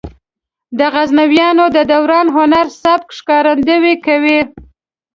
د غزنویانو د دوران هنري سبک ښکارندويي کوي.